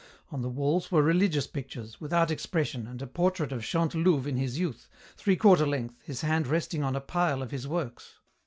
On the walls were religious pictures, without expression, and a portrait of Chantelouve in his youth, three quarter length, his hand resting on a pile of his works.